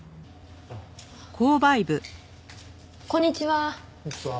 こんにちは。